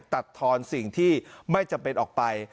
ทอนสิ่งที่ไม่จำเป็นออกไป